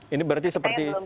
ini berarti seperti